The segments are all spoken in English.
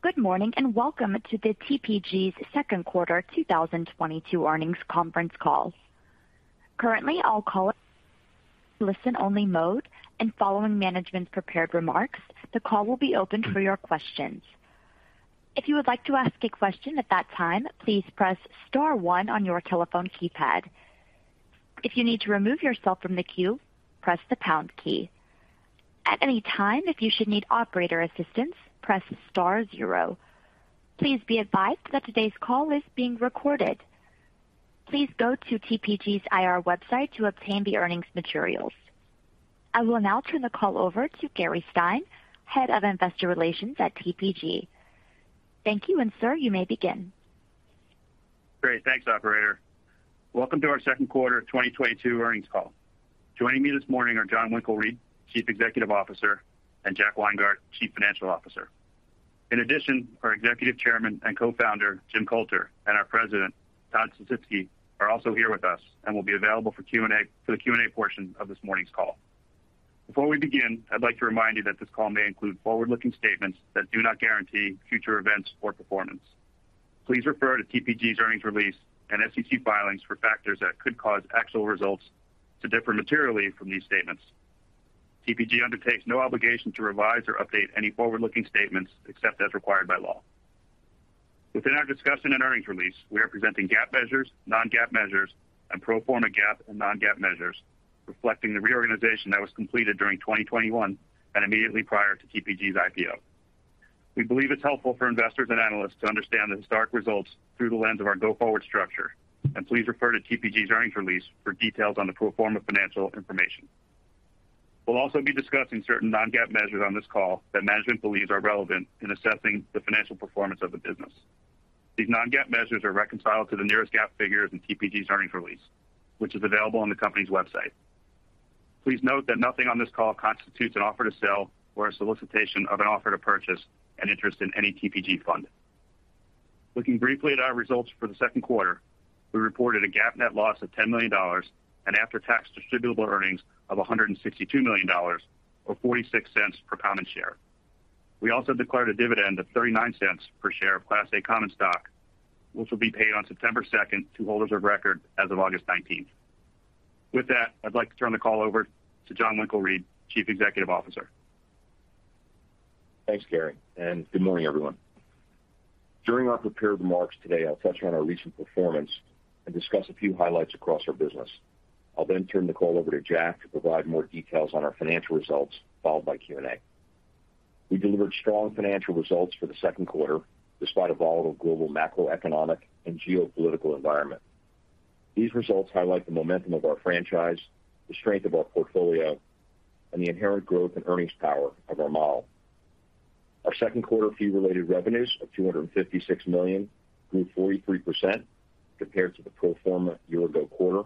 Good morning, and welcome to TPG's second quarter 2022 earnings conference call. Currently, the call is in listen-only mode, and following management's prepared remarks, the call will be open for your questions. If you would like to ask a question at that time, please press star one on your telephone keypad. If you need to remove yourself from the queue, press the pound key. At any time, if you should need operator assistance, press star zero. Please be advised that today's call is being recorded. Please go to TPG's IR website to obtain the earnings materials. I will now turn the call over to Gary Stein, Head of Investor Relations at TPG. Thank you. Sir, you may begin. Great. Thanks, operator. Welcome to our second quarter 2022 earnings call. Joining me this morning are Jon Winkelried, Chief Executive Officer, and Jack Weingart, Chief Financial Officer. In addition, our Executive Chairman and Co-founder, Jim Coulter, and our President, Todd Sisitsky, are also here with us and will be available for the Q&A portion of this morning's call. Before we begin, I'd like to remind you that this call may include forward-looking statements that do not guarantee future events or performance. Please refer to TPG's earnings release and SEC filings for factors that could cause actual results to differ materially from these statements. TPG undertakes no obligation to revise or update any forward-looking statements except as required by law. Within our discussion and earnings release, we are presenting GAAP measures, non-GAAP measures, and pro forma GAAP and non-GAAP measures, reflecting the reorganization that was completed during 2021 and immediately prior to TPG's IPO. We believe it's helpful for investors and analysts to understand the historic results through the lens of our go-forward structure, and please refer to TPG's earnings release for details on the pro forma financial information. We'll also be discussing certain non-GAAP measures on this call that management believes are relevant in assessing the financial performance of the business. These non-GAAP measures are reconciled to the nearest GAAP figures in TPG's earnings release, which is available on the company's website. Please note that nothing on this call constitutes an offer to sell or a solicitation of an offer to purchase an interest in any TPG fund. Looking briefly at our results for the second quarter, we reported a GAAP net loss of $10 million and after-tax distributable earnings of $162 million or $0.46 per common share. We also declared a dividend of $0.39 per share of Class A common stock, which will be paid on September 2nd to holders of record as of August 19th. With that, I'd like to turn the call over to Jon Winkelried, Chief Executive Officer. Thanks, Gary, and good morning, everyone. During our prepared remarks today, I'll touch on our recent performance and discuss a few highlights across our business. I'll then turn the call over to Jack to provide more details on our financial results, followed by Q&A. We delivered strong financial results for the second quarter despite a volatile global macroeconomic and geopolitical environment. These results highlight the momentum of our franchise, the strength of our portfolio, and the inherent growth and earnings power of our model. Our second quarter fee-related revenues of $256 million grew 43% compared to the pro forma year-ago quarter,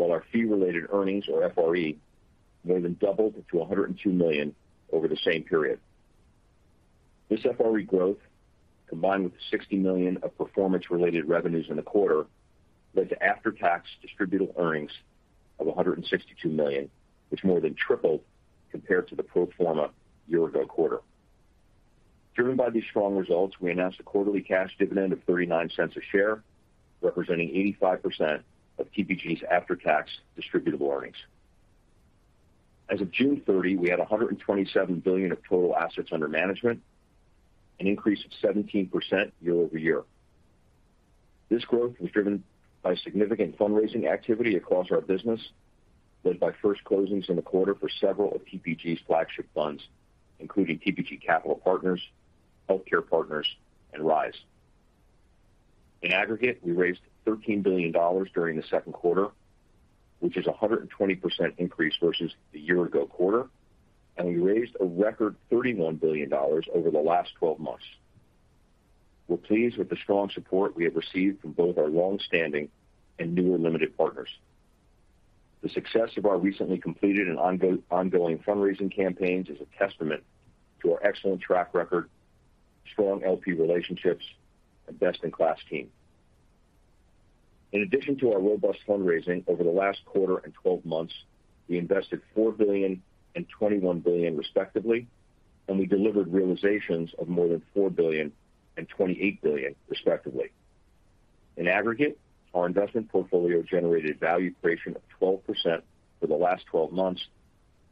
while our fee-related earnings, or FRE, more than doubled to $102 million over the same period. This FRE growth, combined with $60 million of performance-related revenues in the quarter, led to after-tax distributable earnings of $162 million, which more than tripled compared to the pro forma year-ago quarter. Driven by these strong results, we announced a quarterly cash dividend of $0.39 a share, representing 85% of TPG's after-tax distributable earnings. As of June 30, we had $127 billion of total assets under management, an increase of 17% year-over-year. This growth was driven by significant fundraising activity across our business, led by first closings in the quarter for several of TPG's flagship funds, including TPG Partners, TPG Healthcare Partners, and The Rise Fund. In aggregate, we raised $13 billion during the second quarter, which is a 120% increase versus the year-ago quarter, and we raised a record $31 billion over the last 12 months. We're pleased with the strong support we have received from both our long-standing and newer limited partners. The success of our recently completed and ongoing fundraising campaigns is a testament to our excellent track record, strong LP relationships, and best-in-class team. In addition to our robust fundraising over the last quarter and 12 months, we invested $4 billion and $21 billion respectively, and we delivered realizations of more than $4 billion and $28 billion respectively. In aggregate, our investment portfolio generated value creation of 12% for the last 12 months,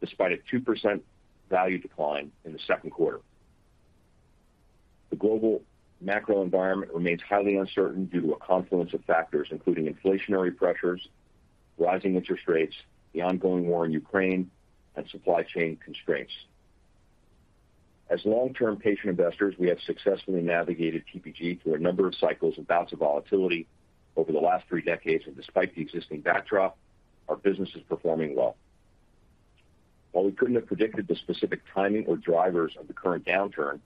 despite a 2% value decline in the second quarter. The global macro environment remains highly uncertain due to a confluence of factors, including inflationary pressures, rising interest rates, the ongoing war in Ukraine, and supply chain constraints. As long-term patient investors, we have successfully navigated TPG through a number of cycles and bouts of volatility over the last three decades. Despite the existing backdrop, our business is performing well. While we couldn't have predicted the specific timing or drivers of the current downturn,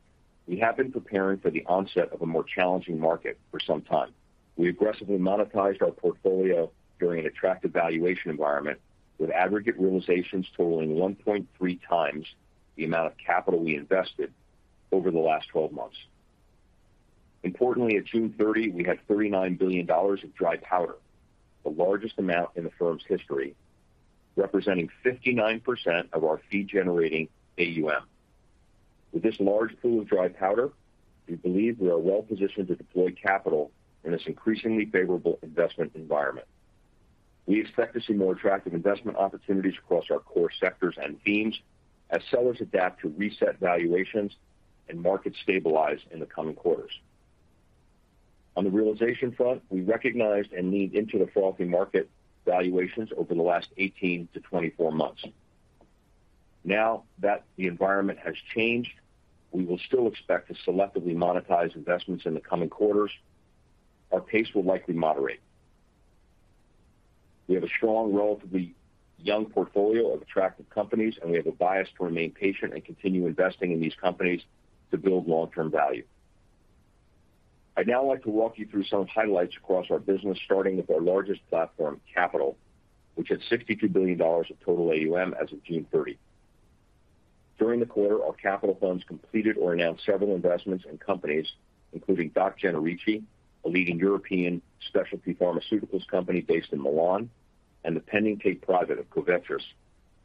we have been preparing for the onset of a more challenging market for some time. We aggressively monetized our portfolio during an attractive valuation environment, with aggregate realizations totaling 1.3x the amount of capital we invested over the last 12 months. Importantly, at June 30, we had $39 billion of dry powder, the largest amount in the firm's history, representing 59% of our fee-earning AUM. With this large pool of dry powder, we believe we are well-positioned to deploy Capital in this increasingly favorable investment environment. We expect to see more attractive investment opportunities across our core sectors and themes as sellers adapt to reset valuations and markets stabilize in the coming quarters. On the realization front, we recognized and leaned into the frothy market valuations over the last 18 to 24 months. Now that the environment has changed, we will still expect to selectively monetize investments in the coming quarters. Our pace will likely moderate. We have a strong, relatively young portfolio of attractive companies, and we have a bias to remain patient and continue investing in these companies to build long-term value. I'd now like to walk you through some highlights across our business, starting with our largest platform, Capital, which had $62 billion of total AUM as of June 30. During the quarter, our Capital funds completed or announced several investments in companies, including Doc Generici, a leading European specialty pharmaceuticals company based in Milan, and the pending take-private of Covetrus,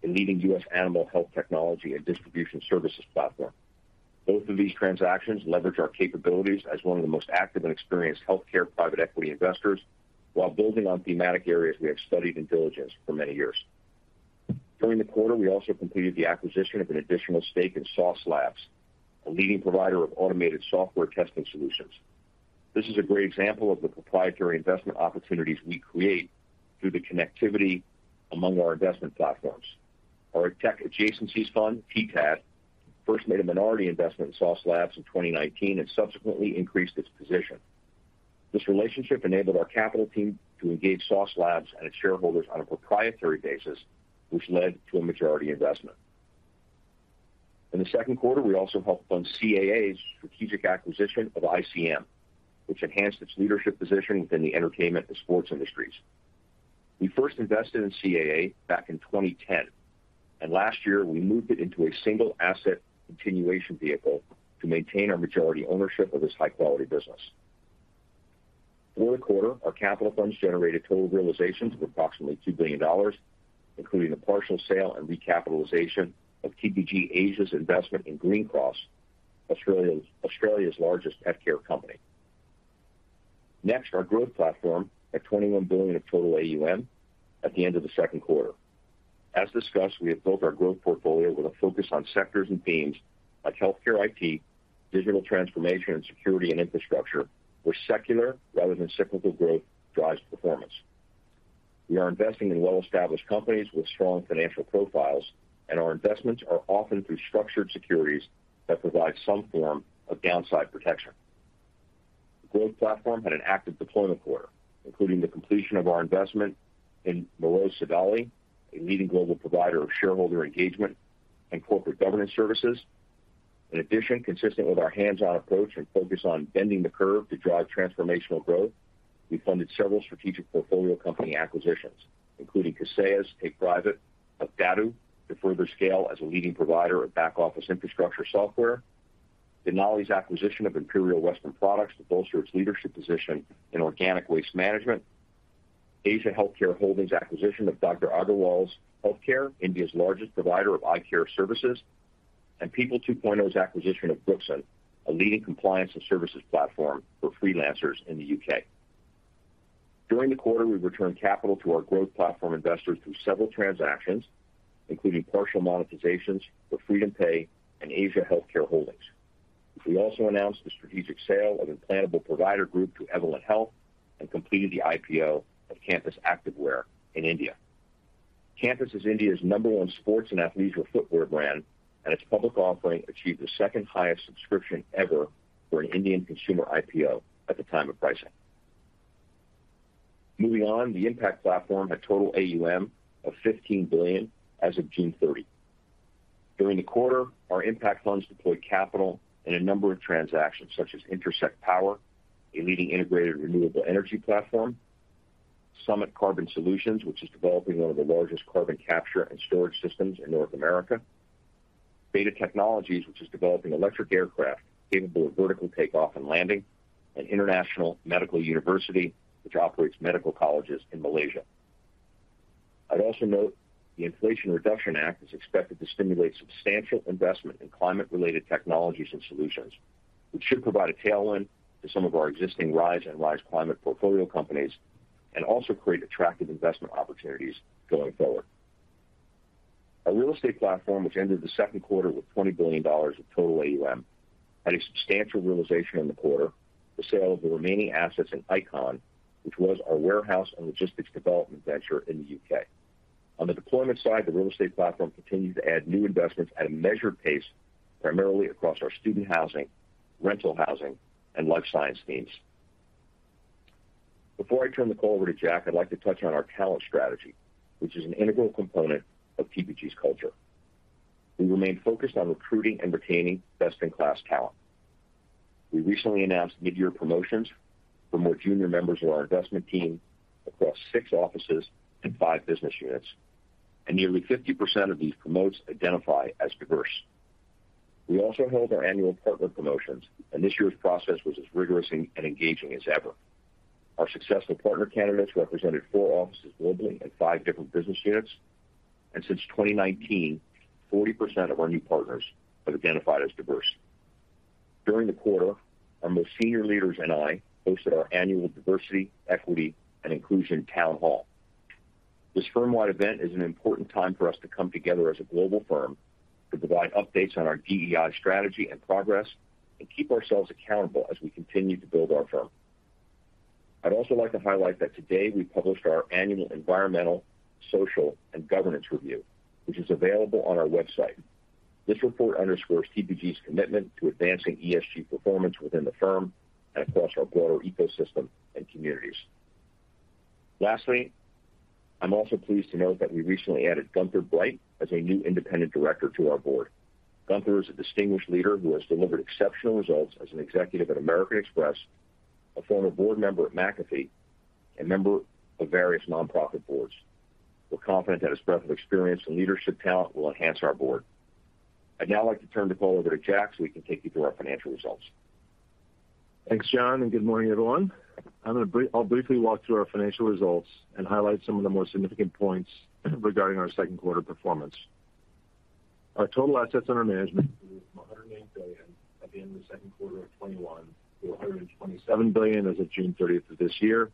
a leading U.S. animal health technology and distribution services platform. Both of these transactions leverage our capabilities as one of the most active and experienced healthcare private equity investors while building on thematic areas we have studied in diligence for many years. During the quarter, we also completed the acquisition of an additional stake in Sauce Labs, a leading provider of automated software testing solutions. This is a great example of the proprietary investment opportunities we create through the connectivity among our investment platforms. Our Tech Adjacencies Fund, TTAD, first made a minority investment in Sauce Labs in 2019 and subsequently increased its position. This relationship enabled our Capital team to engage Sauce Labs and its shareholders on a proprietary basis, which led to a majority investment. In the second quarter, we also helped fund CAA's strategic acquisition of ICM, which enhanced its leadership position within the entertainment and sports industries. We first invested in CAA back in 2010, and last year, we moved it into a single-asset continuation vehicle to maintain our majority ownership of this high-quality business. For the quarter, our Capital funds generated total realizations of approximately $2 billion, including the partial sale and recapitalization of TPG Asia's investment in Greencross, Australia's largest pet care company. Next, our growth platform at $21 billion of total AUM at the end of the second quarter. As discussed, we have built our growth portfolio with a focus on sectors and themes like healthcare IT, digital transformation, and security and infrastructure, where secular rather than cyclical growth drives performance. We are investing in well-established companies with strong financial profiles, and our investments are often through structured securities that provide some form of downside protection. The growth platform had an active deployment quarter, including the completion of our investment in Morrow Sodali, a leading global provider of shareholder engagement and corporate governance services. In addition, consistent with our hands-on approach and focus on bending the curve to drive transformational growth, we funded several strategic portfolio company acquisitions, including Kaseya's take private of Datto to further scale as a leading provider of back-office infrastructure software. Denali's acquisition of Imperial Western Products to bolster its leadership position in organic waste management. Asia Healthcare Holdings' acquisition of Dr. Agarwal's Health Care. India's largest provider of eye care services, and People2.0's acquisition of Brookson, a leading compliance and services platform for freelancers in the U.K. During the quarter, we returned Capital to our growth platform investors through several transactions, including partial monetizations for FreedomPay and Asia Healthcare Holdings. We also announced the strategic sale of Implantable Provider Group to Evolent Health and completed the IPO of Campus Activewear in India. Campus is India's number one sports and athleisure footwear brand, and its public offering achieved the second highest subscription ever for an Indian consumer IPO at the time of pricing. Moving on, the Impact platform had total AUM of $15 billion as of June 30. During the quarter, our Impact funds deployed Capital in a number of transactions such as Intersect Power, a leading integrated renewable energy platform, Summit Carbon Solutions, which is developing one of the largest carbon capture and storage systems in North America, BETA Technologies, which is developing electric aircraft capable of vertical takeoff and landing, and International Medical University, which operates medical colleges in Malaysia. I'd also note the Inflation Reduction Act is expected to stimulate substantial investment in climate-related technologies and solutions, which should provide a tailwind to some of our existing Rise and Rise Climate portfolio companies and also create attractive investment opportunities going forward. Our real estate platform, which ended the second quarter with $20 billion of total AUM, had a substantial realization in the quarter, the sale of the remaining assets in Icon Industrial, which was our warehouse and logistics development venture in the U.K. On the deployment side, the real estate platform continued to add new investments at a measured pace, primarily across our student housing, rental housing, and life science themes. Before I turn the call over to Jack, I'd like to touch on our talent strategy, which is an integral component of TPG's culture. We remain focused on recruiting and retaining best-in-class talent. We recently announced midyear promotions for more junior members of our investment team across six offices and five business units. Nearly 50% of these promotes identify as diverse. We also held our annual partner promotions, and this year's process was as rigorous and engaging as ever. Our successful partner candidates represented four offices globally and five different business units. Since 2019, 40% of our new partners have identified as diverse. During the quarter, our most senior leaders and I hosted our annual diversity, equity and inclusion town hall. This firm-wide event is an important time for us to come together as a global firm to provide updates on our DEI strategy and progress, and keep ourselves accountable as we continue to build our firm. I'd also like to highlight that today we published our annual environmental, social and governance review, which is available on our website. This report underscores TPG's commitment to advancing ESG performance within the firm and across our broader ecosystem and communities. Lastly, I'm also pleased to note that we recently added Gunther Bright as a new independent director to our board. Gunther is a distinguished leader who has delivered exceptional results as an executive at American Express, a former board member at McAfee, a member of various nonprofit boards. We're confident that his breadth of experience and leadership talent will enhance our board. I'd now like to turn the call over to Jack, so he can take you through our financial results. Thanks, Jon, and good morning, everyone. I'll briefly walk through our financial results and highlight some of the more significant points regarding our second quarter performance. Our total assets under management grew from $108 billion at the end of the second quarter of 2021 to $127 billion as of June 30 of this year.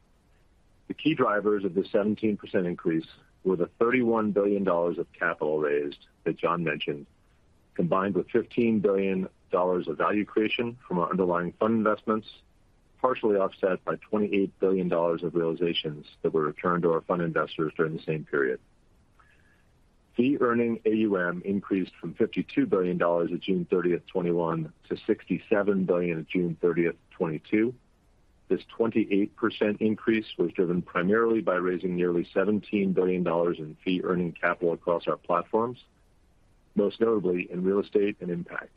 The key drivers of this 17% increase were the $31 billion of capital raised that Jon mentioned, combined with $15 billion of value creation from our underlying fund investments, partially offset by $28 billion of realizations that were returned to our fund investors during the same period. Fee-earning AUM increased from $52 billion at June 30th, 2021 to $67 billion at June 30th, 2022. This 28% increase was driven primarily by raising nearly $17 billion in fee-earning capital across our platforms, most notably in real estate and impact.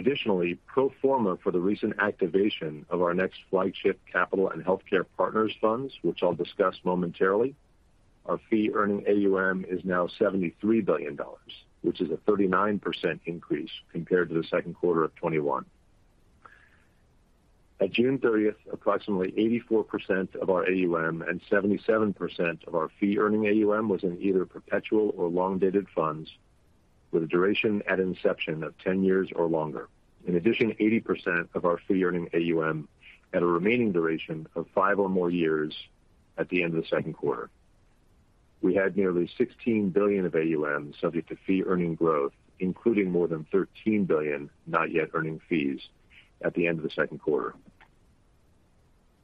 Additionally, pro forma for the recent activation of our next flagship Capital and Healthcare Partners funds, which I'll discuss momentarily. Our fee-earning AUM is now $73 billion, which is a 39% increase compared to the second quarter of 2021. At June 30th, approximately 84% of our AUM and 77% of our fee-earning AUM was in either perpetual or long-dated funds with a duration at inception of 10 years or longer. In addition, 80% of our fee-earning AUM at a remaining duration of five or more years at the end of the second quarter. We had nearly $16 billion of AUM subject to fee-earning growth, including more than $13 billion not yet earning fees at the end of the second quarter.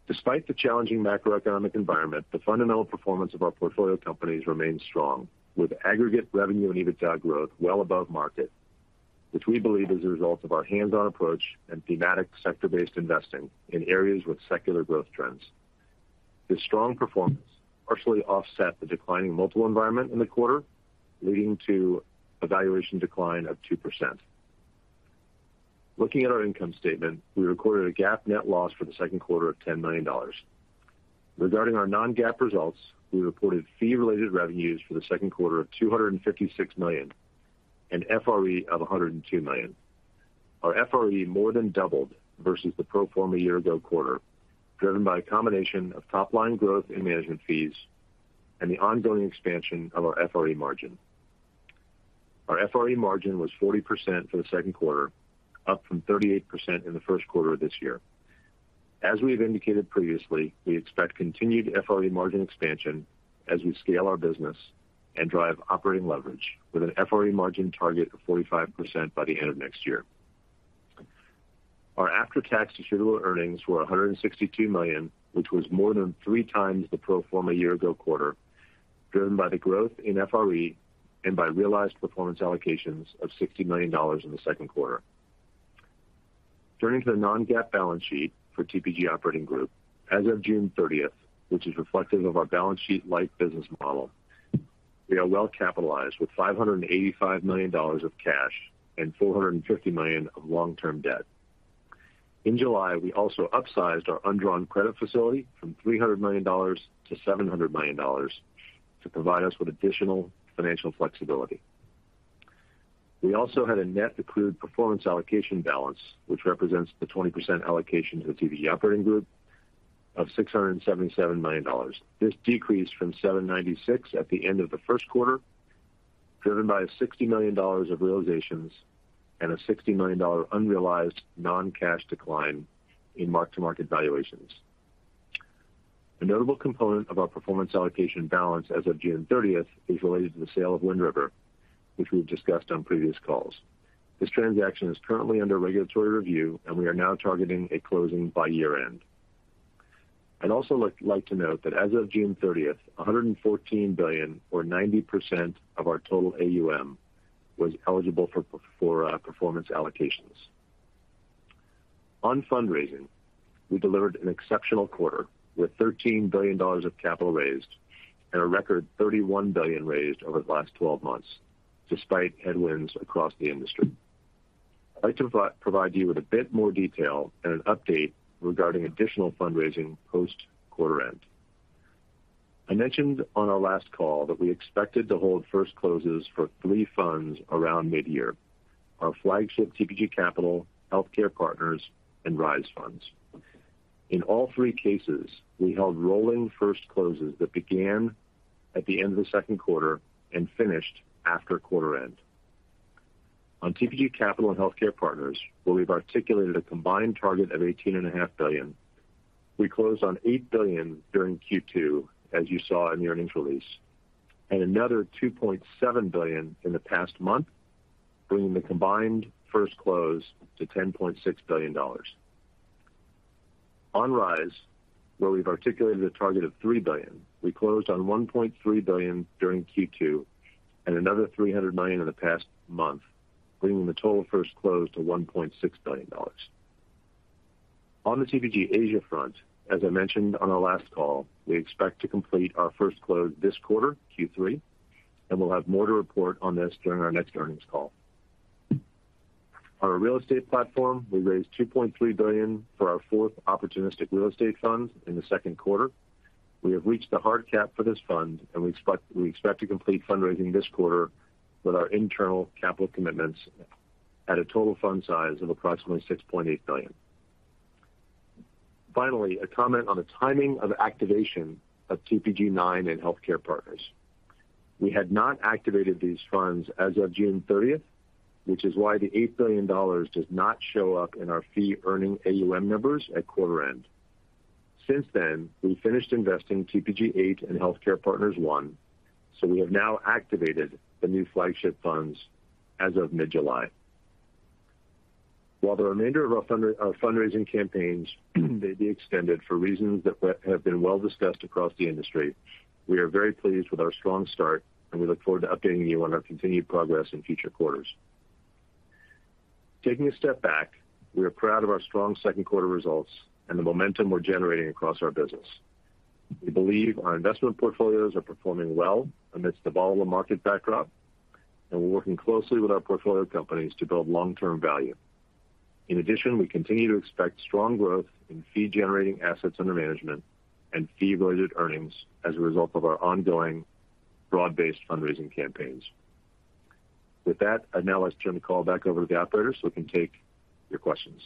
Despite the challenging macroeconomic environment, the fundamental performance of our portfolio companies remains strong, with aggregate revenue and EBITDA growth well above market, which we believe is a result of our hands-on approach and thematic sector-based investing in areas with secular growth trends. This strong performance partially offset the declining multiple environment in the quarter, leading to a valuation decline of 2%. Looking at our income statement, we recorded a GAAP net loss for the second quarter of $10 million. Regarding our non-GAAP results, we reported fee-related revenues for the second quarter of $256 million and FRE of $102 million. Our FRE more than doubled versus the pro forma year-ago quarter, driven by a combination of top-line growth in management fees and the ongoing expansion of our FRE margin. Our FRE margin was 40% for the second quarter, up from 38% in the first quarter of this year. As we have indicated previously, we expect continued FRE margin expansion as we scale our business and drive operating leverage with an FRE margin target of 45% by the end of next year. Our after-tax distributable earnings were $162 million, which was more than 3x the pro forma year-ago quarter, driven by the growth in FRE and by realized performance allocations of $60 million in the second quarter. Turning to the non-GAAP balance sheet for TPG Operating Group. As of June 30th, which is reflective of our balance sheet light business model, we are well capitalized with $585 million of cash and $450 million of long-term debt. In July, we also upsized our undrawn credit facility from $300 million-$700 million to provide us with additional financial flexibility. We also had a net accrued performance allocation balance, which represents the 20% allocation to the TPG Operating Group of $677 million. This decreased from $796 at the end of the first quarter, driven by $60 million of realizations and a $60 million unrealized non-cash decline in mark-to-market valuations. A notable component of our performance allocation balance as of June 30th is related to the sale of Wind River, which we've discussed on previous calls. This transaction is currently under regulatory review, and we are now targeting a closing by year-end. I'd also like to note that as of June 30th, $114 billion or 90% of our total AUM was eligible for performance allocations. On fundraising, we delivered an exceptional quarter with $13 billion of capital raised and a record $31 billion raised over the last 12 months despite headwinds across the industry. I'd like to provide you with a bit more detail and an update regarding additional fundraising post quarter-end. I mentioned on our last call that we expected to hold first closes for three funds around mid-year, our flagship TPG Capital, TPG Healthcare Partners, and The Rise Funds. In all three cases, we held rolling first closes that began at the end of the second quarter and finished after quarter-end. On TPG Capital and Healthcare Partners, where we've articulated a combined target of $18.5 billion, we closed on $8 billion during Q2, as you saw in the earnings release, and another $2.7 billion in the past month, bringing the combined first close to $10.6 billion. On Rise, where we've articulated a target of $3 billion, we closed on $1.3 billion during Q2 and another $300 million in the past month, bringing the total first close to $1.6 billion. On the TPG Asia front, as I mentioned on our last call, we expect to complete our first close this quarter, Q3, and we'll have more to report on this during our next earnings call. On our real estate platform, we raised $2.3 billion for our fourth opportunistic real estate fund in the second quarter. We have reached the hard cap for this fund, and we expect to complete fundraising this quarter with our internal capital commitments at a total fund size of approximately $6.8 billion. Finally, a comment on the timing of activation of TPG IX and Healthcare Partners. We had not activated these funds as of June 30th, which is why the $8 billion does not show up in our fee-earning AUM numbers at quarter end. Since then, we finished investing TPG VIII and Healthcare Partners I, so we have now activated the new flagship funds as of mid-July. While the remainder of our fundraising campaigns may be extended for reasons that have been well discussed across the industry, we are very pleased with our strong start, and we look forward to updating you on our continued progress in future quarters. Taking a step back, we are proud of our strong second quarter results and the momentum we're generating across our business. We believe our investment portfolios are performing well amidst the volatile market backdrop, and we're working closely with our portfolio companies to build long-term value. In addition, we continue to expect strong growth in fee-generating assets under management and fee-related earnings as a result of our ongoing broad-based fundraising campaigns. With that, I'd now like to turn the call back over to the operator so we can take your questions.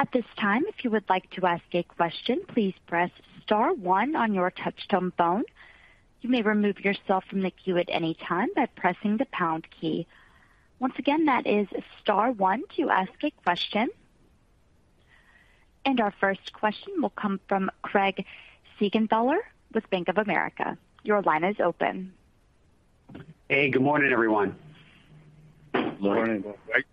At this time, if you would like to ask a question, please press star one on your touchtone phone. You may remove yourself from the queue at any time by pressing the pound key. Once again, that is star one to ask a question. Our first question will come from Craig Siegenthaler with Bank of America. Your line is open. Hey, good morning, everyone. Morning, Craig.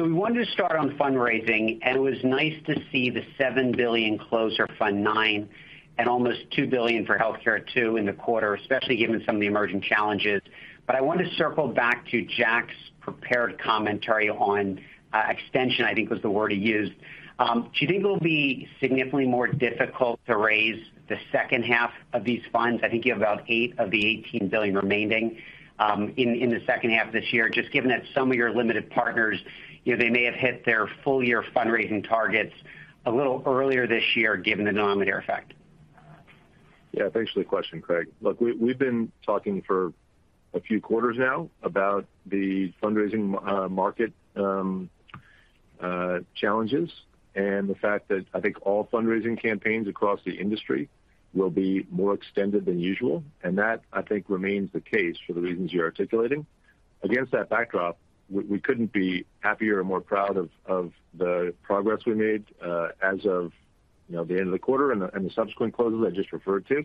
We wanted to start on fundraising, and it was nice to see the $7 billion close for Fund IX and almost $2 billion for Health Care II in the quarter, especially given some of the emerging challenges. I want to circle back to Jack's prepared commentary on extension, I think, was the word he used. Do you think it will be significantly more difficult to raise the second half of these funds? I think you have about $8 billion of the $18 billion remaining in the second half of this year, just given that some of your limited partners, you know, they may have hit their full year fundraising targets a little earlier this year, given the denominator effect. Yeah. Thanks for the question, Craig. Look, we've been talking for a few quarters now about the fundraising market challenges and the fact that I think all fundraising campaigns across the industry will be more extended than usual. That, I think, remains the case for the reasons you're articulating. Against that backdrop, we couldn't be happier and more proud of the progress we made as of the end of the quarter and the subsequent closes I just referred to.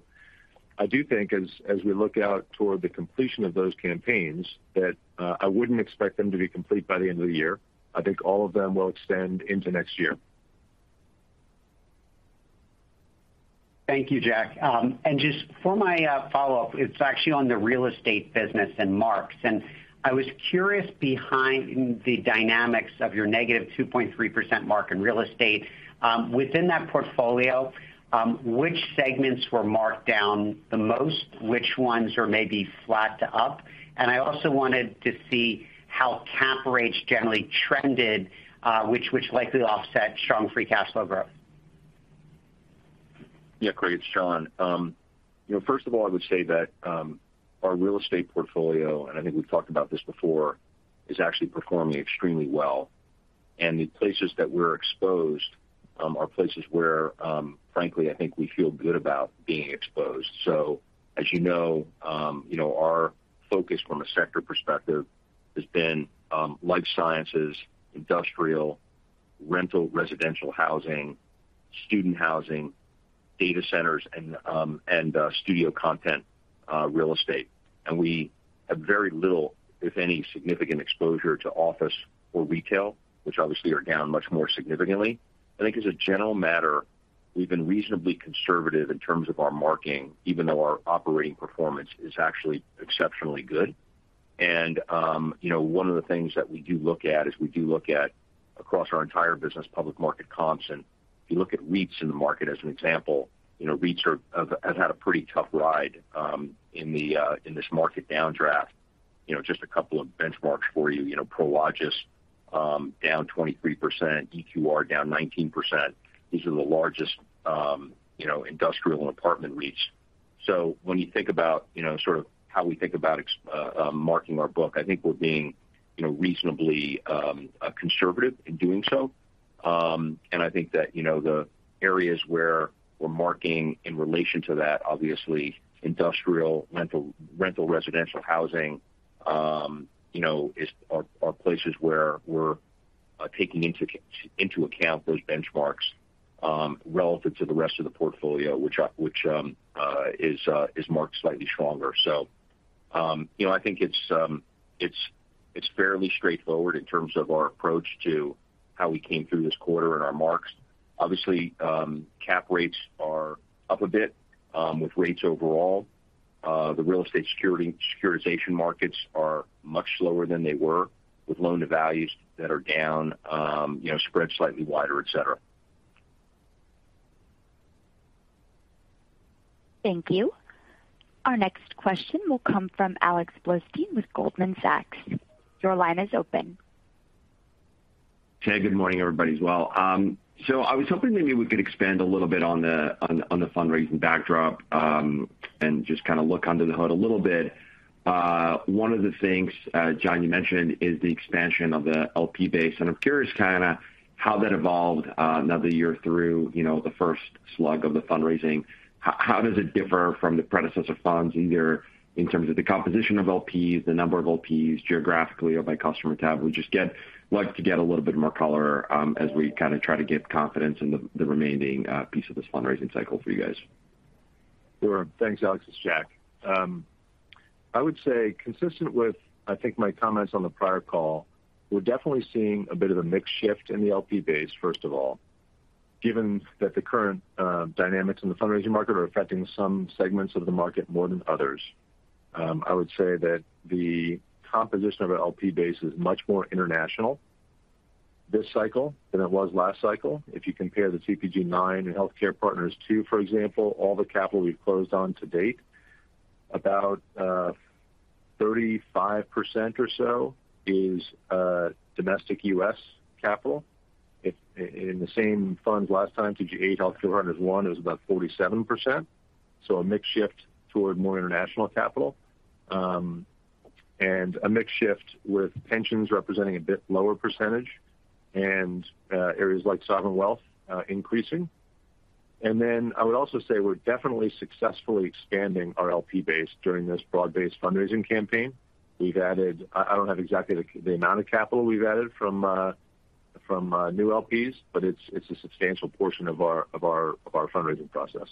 I do think as we look out toward the completion of those campaigns that I wouldn't expect them to be complete by the end of the year. I think all of them will extend into next year. Thank you, Jack. Just for my follow-up, it's actually on the real estate business and marks. I was curious behind the dynamics of your -2.3% mark in real estate. Within that portfolio, which segments were marked down the most, which ones are maybe flat-to-up? I also wanted to see how cap rates generally trended, which likely offset strong free cash flow growth. Yeah, Craig, it's Jon. You know, first of all, I would say that our real estate portfolio, and I think we've talked about this before, is actually performing extremely well. The places that we're exposed are places where, frankly, I think we feel good about being exposed. As you know, you know, our focus from a sector perspective has been life sciences, industrial, rental, residential housing, student housing, data centers, and studio content real estate. We have very little, if any, significant exposure to office or retail, which obviously are down much more significantly. I think as a general matter, we've been reasonably conservative in terms of our marking, even though our operating performance is actually exceptionally good. You know, one of the things that we look at is we look at across our entire business public market comps. If you look at REITs in the market as an example, you know, REITs have had a pretty tough ride in this market downdraft. You know, just a couple of benchmarks for you. You know, Prologis, down 23%, EQR down 19%. These are the largest, you know, industrial and apartment REITs. When you think about, you know, sort of how we think about marking our book, I think we're being, you know, reasonably conservative in doing so. I think that, you know, the areas where we're marking in relation to that, obviously industrial, rental, residential housing are places where we're taking into account those benchmarks, relative to the rest of the portfolio which is marked slightly stronger. You know, I think it's fairly straightforward in terms of our approach to how we came through this quarter and our marks. Obviously, cap rates are up a bit with rates overall. The real estate securitization markets are much lower than they were with loan-to-value ratios that are down, spread slightly wider, et cetera. Thank you. Our next question will come from Alex Blostein with Goldman Sachs. Your line is open. Hey, good morning, everybody, as well. I was hoping maybe we could expand a little bit on the fundraising backdrop, and just kinda look under the hood a little bit. One of the things, Jon, you mentioned is the expansion of the LP base. I'm curious kinda how that evolved, another year through, you know, the first slug of the fundraising. How does it differ from the predecessor funds, either in terms of the composition of LPs, the number of LPs geographically or by customer type? We like to get a little bit more color, as we kinda try to get confidence in the remaining piece of this fundraising cycle for you guys. Sure. Thanks, Alex. It's Jack. I would say consistent with, I think, my comments on the prior call. We're definitely seeing a bit of a mix shift in the LP base, first of all, given that the current dynamics in the fundraising market are affecting some segments of the market more than others. I would say that the composition of an LP base is much more international this cycle than it was last cycle. If you compare the TPG IX and Healthcare Partners II, for example, all the capital we've closed on to-date, about 35% or so is domestic U.S. Capital. If in the same funds last time, TPG VIII, Health Care I, it was about 47%. a mix shift toward more international capital, and a mix shift with pensions representing a bit lower percentage and, areas like sovereign wealth, increasing. I would also say we're definitely successfully expanding our LP base during this broad-based fundraising campaign. We've added. I don't have exactly the amount of capital we've added from new LPs, but it's a substantial portion of our fundraising process.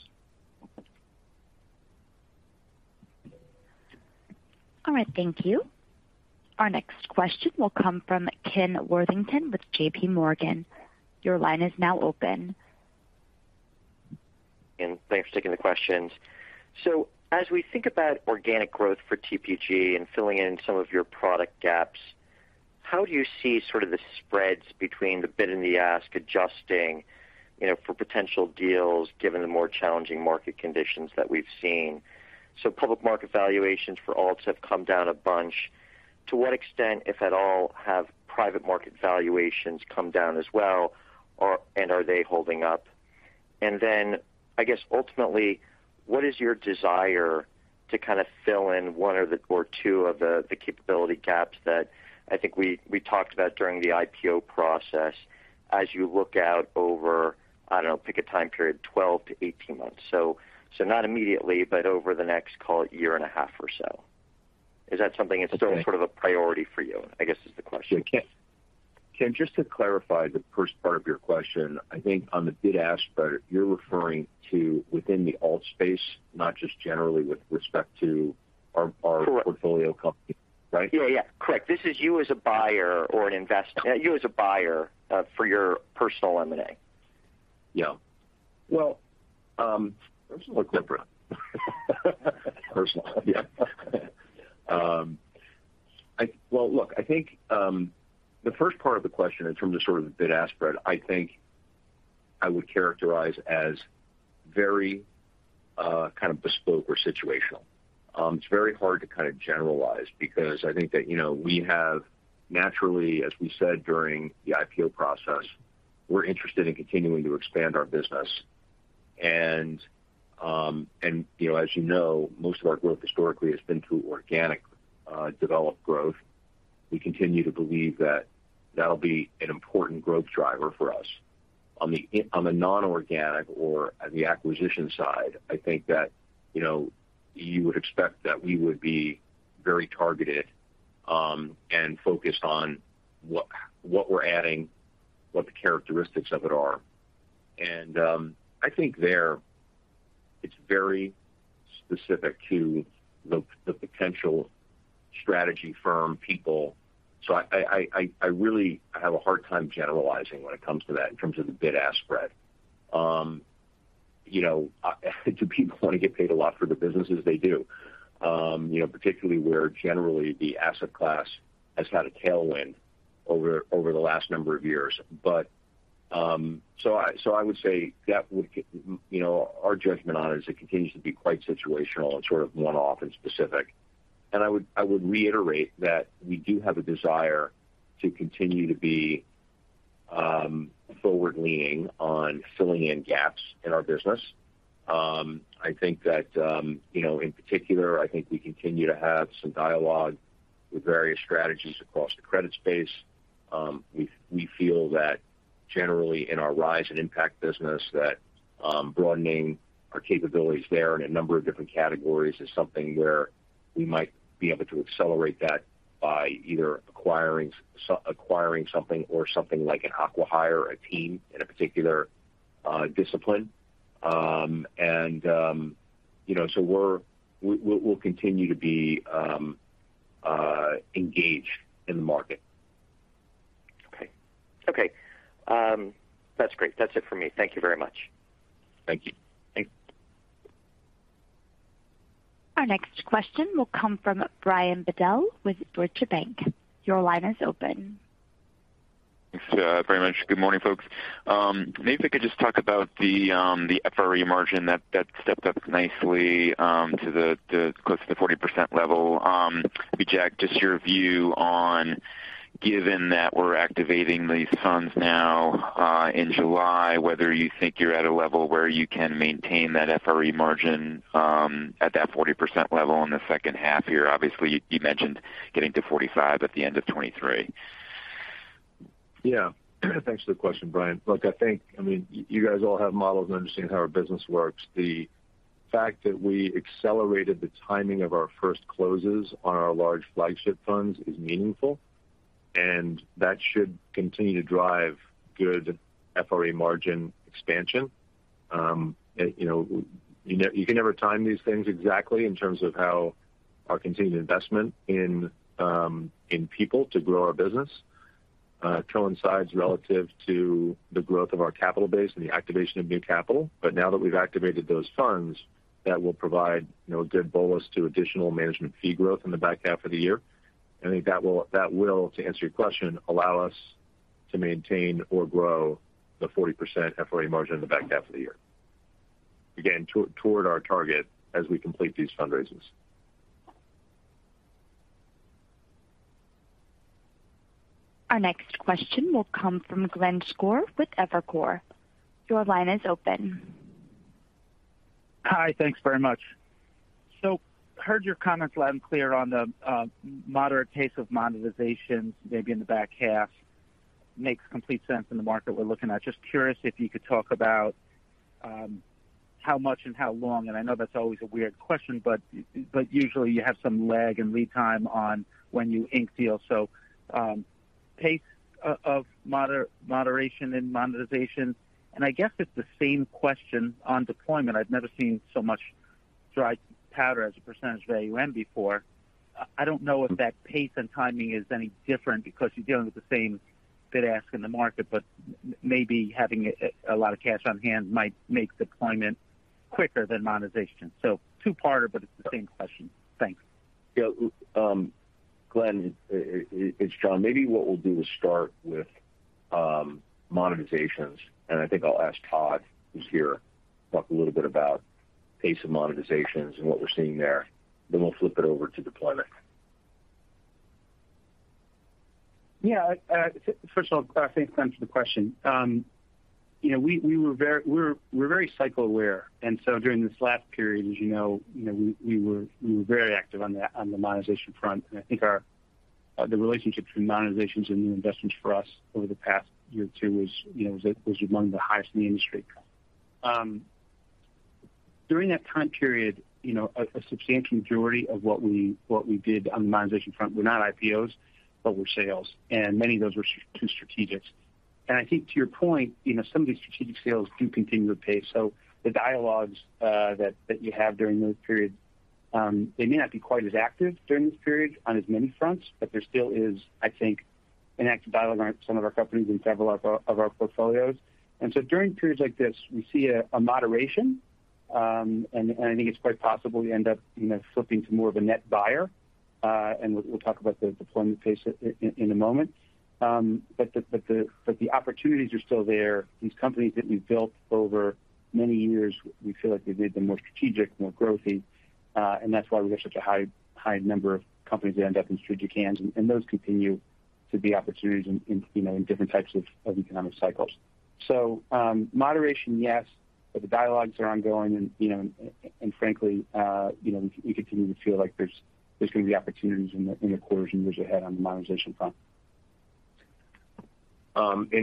All right, thank you. Our next question will come from Ken Worthington with JPMorgan. Your line is now open. Ken, thanks for taking the questions. As we think about organic growth for TPG and filling in some of your product gaps, how do you see sort of the spreads between the bid and the ask adjusting, you know, for potential deals given the more challenging market conditions that we've seen? Public market valuations for alts have come down a bunch. To what extent, if at all, have private market valuations come down as well, or and are they holding up? Then I guess ultimately, what is your desire to kinda fill in one of the or two of the capability gaps that I think we talked about during the IPO process as you look out over, I don't know, pick a time period, 12 to 18 months. Not immediately, but over the next, call it, year and a half or so. Is that something that's still sort of a priority for you, I guess is the question? Yeah. Ken, just to clarify the first part of your question. I think on the bid-ask spread you're referring to within the alt space, not just generally with respect to our- Correct. our portfolio company, right? Yeah, yeah. Correct. This is you as a buyer for your personal M&A. Yeah. Well, Personal. Personally, yeah. Well, look, I think the first part of the question in terms of sort of the bid-ask spread, I think I would characterize as very kind of bespoke or situational. It's very hard to kind of generalize because I think that, you know, we have naturally, as we said during the IPO process, we're interested in continuing to expand our business. You know, as you know, most of our growth historically has been through organic, developed growth. We continue to believe that that'll be an important growth driver for us. On the non-organic or at the acquisition side, I think that, you know, you would expect that we would be very targeted and focused on what we're adding, what the characteristics of it are. I think there it's very specific to the potential strategy firm people. So I really have a hard time generalizing when it comes to that in terms of the bid-ask spread. You know, do people want to get paid a lot for their businesses? They do. You know, particularly where generally the asset class has had a tailwind over the last number of years. So I would say you know, our judgment on it is it continues to be quite situational and sort of one-off and specific. I would reiterate that we do have a desire to continue to be forward-leaning on filling in gaps in our business. I think that, you know, in particular, I think we continue to have some dialogue with various strategies across the credit space. We feel that generally in our Rise and Impact business that broadening our capabilities there in a number of different categories is something where we might be able to accelerate that by either acquiring something or something like an acqui-hire a team in a particular discipline. You know, we'll continue to be engaged in the market. Okay. That's great. That's it for me. Thank you very much. Thank you. Thanks. Our next question will come from Brian Bedell with Deutsche Bank. Your line is open. Thanks, very much. Good morning, folks. Maybe if I could just talk about the FRE margin that stepped up nicely to close to the 40% level. Maybe, Jack, just your view on, given that we're activating these funds now in July, whether you think you're at a level where you can maintain that FRE margin at that 40% level in the second half here. Obviously, you mentioned getting to 45% at the end of 2023. Yeah. Thanks for the question, Brian. Look, I think, I mean, you guys all have models and understand how our business works. The fact that we accelerated the timing of our first closes on our large flagship funds is meaningful, and that should continue to drive good FRE margin expansion. You know, you can never time these things exactly in terms of how our continued investment in people to grow our business coincides relative to the growth of our Capital base and the activation of new Capital. Now that we've activated those funds, that will provide, you know, a good bolus to additional management fee growth in the back half of the year. I think that will, to answer your question, allow us to maintain or grow the 40% FRE margin in the back half of the year, again, toward our target as we complete these fundraisers. Our next question will come from Glenn Schorr with Evercore. Your line is open. Hi. Thanks very much. Heard your comments loud and clear on the moderate pace of monetizations maybe in the back half. Makes complete sense in the market we're looking at. Just curious if you could talk about how much and how long, and I know that's always a weird question, but usually you have some lag and lead time on when you ink deals. Pace of moderation in monetization. I guess it's the same question on deployment. I've never seen so much dry powder as a percentage of AUM before. I don't know if that pace and timing is any different because you're dealing with the same bid-ask in the market, but maybe having a lot of cash on hand might make deployment quicker than monetization. Two-parter, but it's the same question. Thanks. Yeah. Glenn, it's Jon. Maybe what we'll do is start with monetizations, and I think I'll ask Todd, who's here, talk a little bit about pace of monetizations and what we're seeing there. We'll flip it over to deployment. First of all, thanks, Glenn, for the question. You know, we're very cycle aware, and so during this last period, as you know, we were very active on the monetization front. I think the relationship between monetizations and new investments for us over the past year or two was, you know, among the highest in the industry. During that time period, you know, a substantial majority of what we did on the monetization front were not IPOs but were sales, and many of those were to strategics. I think to your point, you know, some of these strategic sales do continue apace. The dialogues that you have during those periods, they may not be quite as active during this period on as many fronts, but there still is, I think, an active dialogue around some of our companies in several of our portfolios. During periods like this, we see a moderation, and I think it's quite possible we end up, you know, flipping to more of a net buyer. We'll talk about the deployment pace in a moment. But the opportunities are still there. These companies that we've built over many years, we feel like we've made them more strategic, more growthy, and that's why we have such a high number of companies that end up in strategic hands. Those continue to be opportunities in you know in different types of economic cycles. Moderation, yes, but the dialogues are ongoing, and you know and frankly we continue to feel like there's gonna be opportunities in the quarters and years ahead on the monetization front.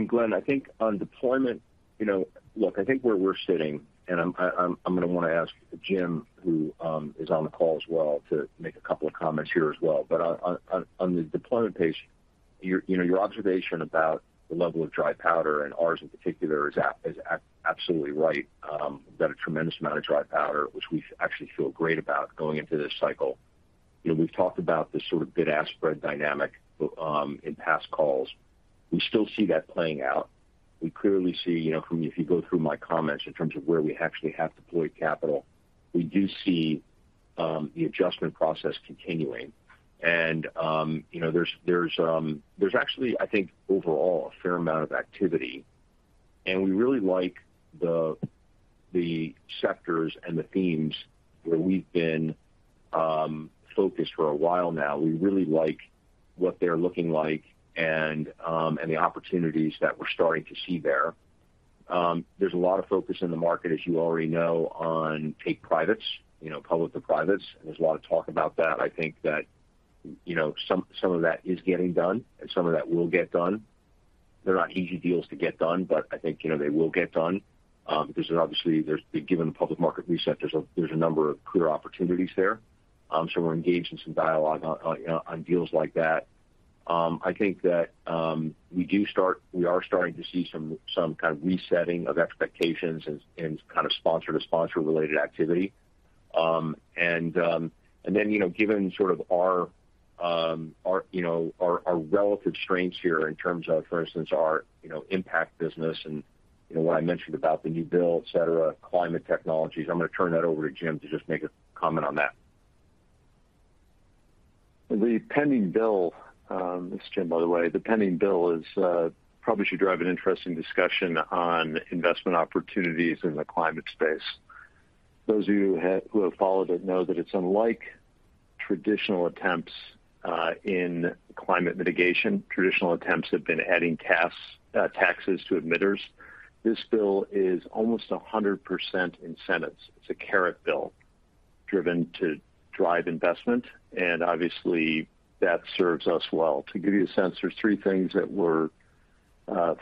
Glenn, I think on deployment, you know. Look, I think where we're sitting, and I'm gonna wanna ask Jim, who is on the call as well, to make a couple of comments here as well. On the deployment pace, you know, your observation about the level of dry powder and ours in particular is absolutely right. We've got a tremendous amount of dry powder, which we actually feel great about going into this cycle. You know, we've talked about the sort of bid-ask spread dynamic in past calls. We still see that playing out. We clearly see, you know, from if you go through my comments in terms of where we actually have deployed Capital, we do see the adjustment process continuing. You know, there's actually, I think, overall a fair amount of activity. We really like the sectors and the themes where we've been focused for a while now. We really like what they're looking like and the opportunities that we're starting to see there. There's a lot of focus in the market, as you already know, on take privates, you know, public to privates, and there's a lot of talk about that. I think that, you know, some of that is getting done and some of that will get done. They're not easy deals to get done, but I think, you know, they will get done. Because obviously there's, given the public market reset, there's a number of clear opportunities there. We're engaged in some dialogue on deals like that. I think that we are starting to see some kind of resetting of expectations and kind of sponsor to sponsor related activity. Then, you know, given sort of our relative strengths here in terms of, for instance, our impact business and what I mentioned about the new bill, et cetera, climate technologies. I'm gonna turn that over to Jim to just make a comment on that. The pending bill, this is Jim, by the way, the pending bill is probably should drive an interesting discussion on investment opportunities in the climate space. Those of you who have followed it know that it's unlike traditional attempts in climate mitigation. Traditional attempts have been adding taxes to emitters. This bill is almost 100% incentives. It's a carrot bill driven to drive investment, and obviously that serves us well. To give you a sense, there's three things that we're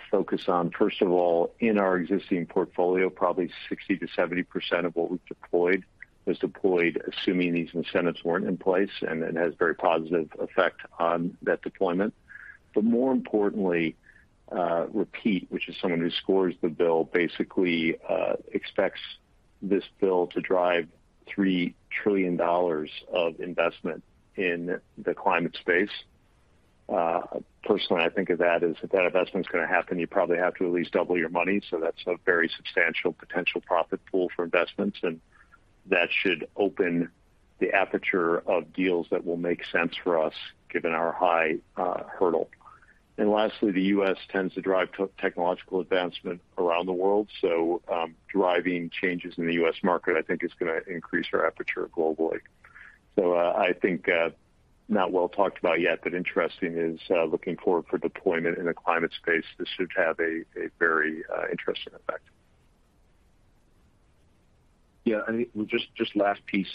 focused on. First of all, in our existing portfolio, probably 60%-70% of what we've deployed was deployed assuming these incentives weren't in place, and it has very positive effect on that deployment. More importantly, REPEAT, which is someone who scores the bill, basically, expects this bill to drive $3 trillion of investment in the climate space. Personally, I think of that as if that investment's gonna happen, you probably have to at least double your money. So that's a very substantial potential profit pool for investments, and that should open the aperture of deals that will make sense for us, given our high hurdle. Lastly, the U.S. tends to drive technological advancement around the world. Driving changes in the U.S. market, I think, is gonna increase our aperture globally. I think not well talked about yet, but interesting is looking forward for deployment in the climate space. This should have a very interesting effect. Yeah. I mean, last piece.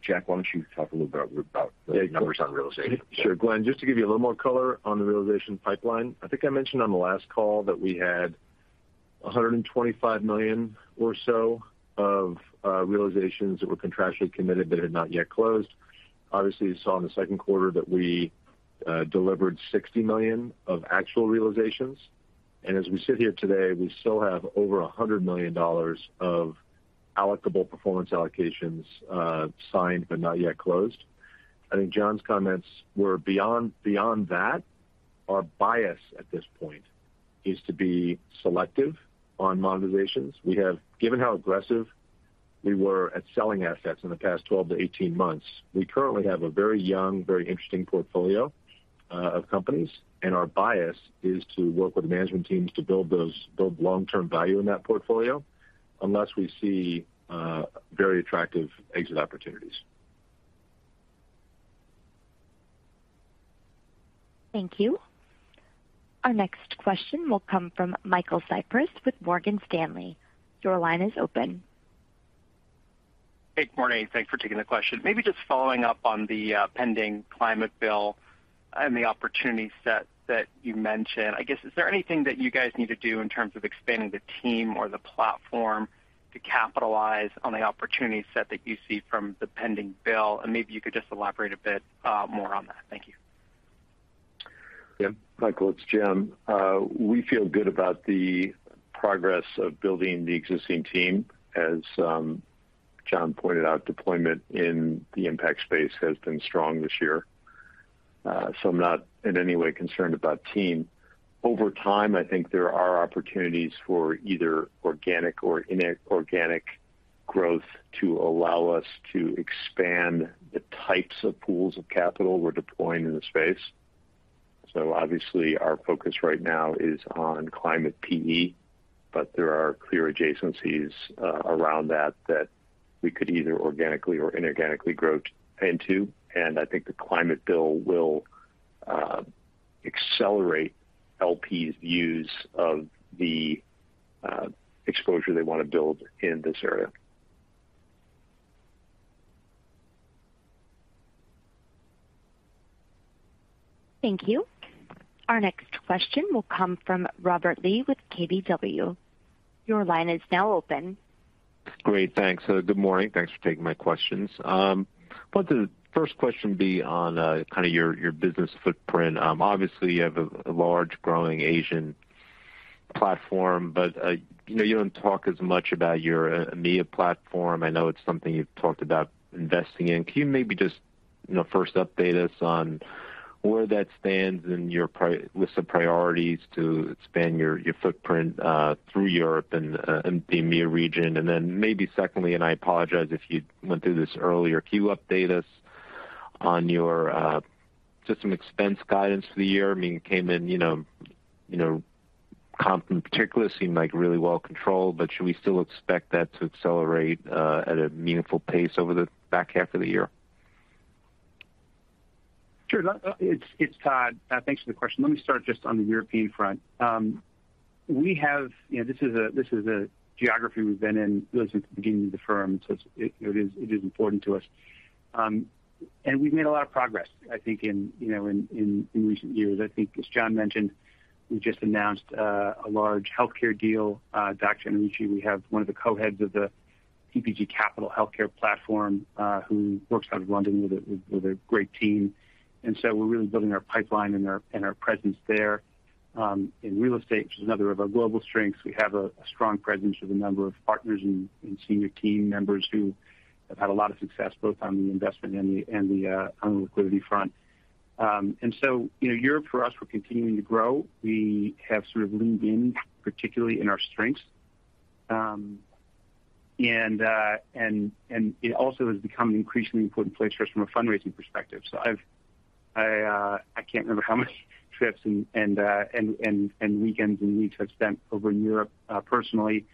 Jack, why don't you talk a little bit about the numbers on realization? Sure. Glenn, just to give you a little more color on the realization pipeline. I think I mentioned on the last call that we had $125 million or so of realizations that were contractually committed that had not yet closed. Obviously, you saw in the second quarter that we delivered $60 million of actual realizations. As we sit here today, we still have over $100 million of allocable performance allocations signed but not yet closed. I think Jon's comments were beyond that. Our bias at this point is to be selective on monetizations. We have, given how aggressive we were at selling assets in the past 12 to 18 months, we currently have a very young, very interesting portfolio of companies, and our bias is to work with management teams to build long-term value in that portfolio unless we see very attractive exit opportunities. Thank you. Our next question will come from Michael Cyprys with Morgan Stanley. Your line is open. Hey, good morning. Thanks for taking the question. Maybe just following up on the pending climate bill and the opportunity set that you mentioned. I guess, is there anything that you guys need to do in terms of expanding the team or the platform to capitalize on the opportunity set that you see from the pending bill? Maybe you could just elaborate a bit more on that. Thank you. Yeah. Michael, it's Jim. We feel good about the progress of building the existing team. As Jon pointed out, deployment in the impact space has been strong this year, so I'm not in any way concerned about team. Over time, I think there are opportunities for either organic or inorganic growth to allow us to expand the types of pools of Capital we're deploying in the space. Obviously, our focus right now is on climate PE, but there are clear adjacencies around that that we could either organically or inorganically grow into. I think the climate bill will accelerate LPs' views of the exposure they wanna build in this area. Thank you. Our next question will come from Robert Lee with KBW. Your line is now open. Great. Thanks. Good morning. Thanks for taking my questions. Wanted the first question be on kind of your business footprint. Obviously you have a large growing Asian Platform. You know, you don't talk as much about your EMEA platform. I know it's something you've talked about investing in. Can you maybe just, you know, first update us on where that stands in your list of priorities to expand your footprint through Europe and the EMEA region? Then maybe secondly, and I apologize if you went through this earlier, can you update us on just some expense guidance for the year? I mean, it came in, you know, comp in particular seemed like really well controlled, but should we still expect that to accelerate at a meaningful pace over the back half of the year? Sure. It's Todd. Thanks for the question. Let me start just on the European front. You know, this is a geography we've been in really since the beginning of the firm, so it is important to us. We've made a lot of progress, I think, you know, in recent years. I think, as Jon mentioned, we just announced a large healthcare deal. Dr. Schilling. We have one of the co-heads of the TPG Growth Capital healthcare platform who works out of London with a great team. We're really building our pipeline and our presence there. In real estate, which is another of our global strengths, we have a strong presence with a number of partners and senior team members who have had a lot of success both on the investment and the liquidity front. You know, Europe for us, we're continuing to grow. We have sort of leaned in, particularly in our strengths. It also has become an increasingly important place for us from a fundraising perspective. I can't remember how many trips and weekends and weeks I've spent over in Europe, personally.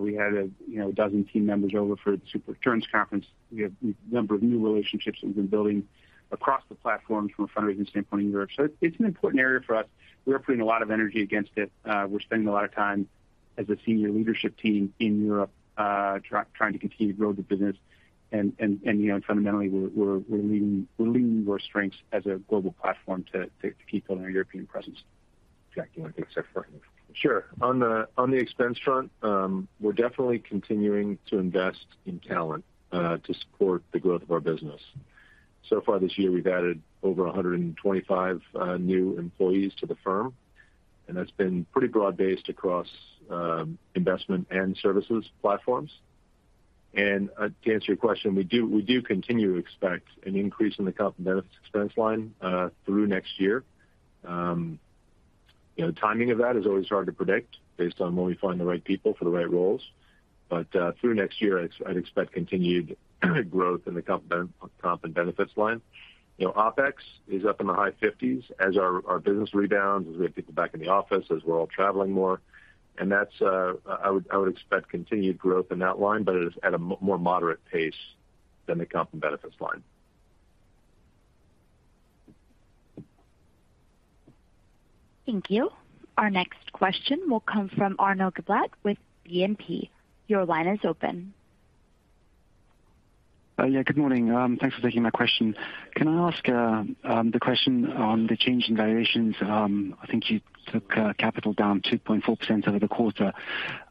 We had, you know, a dozen team members over for the SuperReturn conference. We have a number of new relationships that we've been building across the platforms from a fundraising standpoint in Europe. It's an important area for us. We are putting a lot of energy against it. We're spending a lot of time as a senior leadership team in Europe, trying to continue to grow the business. You know, fundamentally, we're leaning into our strengths as a global platform to keep building our European presence. Jack, do you want to take the second part? Sure. On the expense front, we're definitely continuing to invest in talent to support the growth of our business. So far this year, we've added over 125 new employees to the firm, and that's been pretty broad-based across investment and services platforms. To answer your question, we do continue to expect an increase in the comp and benefits expense line through next year. You know, timing of that is always hard to predict based on when we find the right people for the right roles. Through next year, I'd expect continued growth in the comp and benefits line. You know, OpEx is up in the high 50s as our business rebounds, as we have people back in the office, as we're all traveling more. That's, I would expect continued growth in that line, but it is at a more moderate pace than the comp and benefits line. Thank you. Our next question will come from Arnaud Giblat with BNP. Your line is open. Yeah, good morning. Thanks for taking my question. Can I ask the question on the change in valuations? I think you took Capital down 2.4% over the quarter.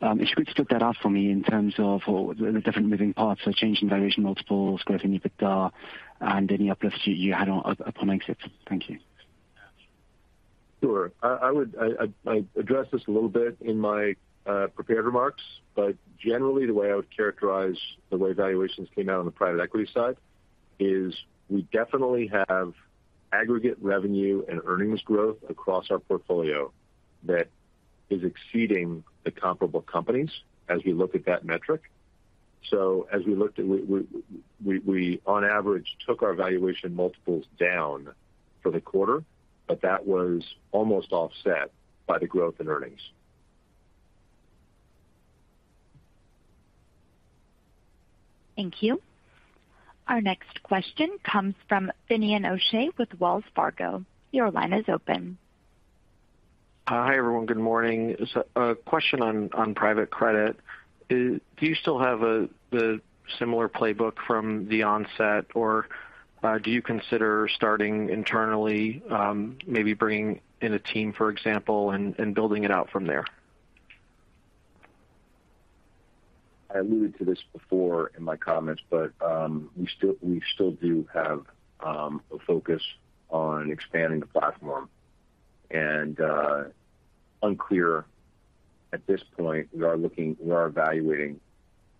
If you could split that up for me in terms of all the different moving parts, so change in valuation multiples, growth in EBITDA, and any uplift you had upon exit. Thank you. Sure. I would address this a little bit in my prepared remarks, but generally, the way I would characterize the way valuations came out on the private equity side is we definitely have aggregate revenue and earnings growth across our portfolio that is exceeding the comparable companies as we look at that metric. We on average took our valuation multiples down for the quarter, but that was almost offset by the growth in earnings. Thank you. Our next question comes from Finian O'Shea with Wells Fargo. Your line is open. Hi, everyone. Good morning. A question on private credit. Do you still have the similar playbook from the onset, or do you consider starting internally, maybe bringing in a team, for example, and building it out from there? I alluded to this before in my comments, but we still do have a focus on expanding the platform. Unclear at this point, we are evaluating